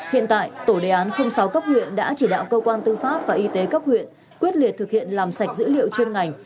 hiện tại tổ đề án sáu cấp huyện đã chỉ đạo cơ quan tư pháp và y tế cấp huyện quyết liệt thực hiện làm sạch dữ liệu chuyên ngành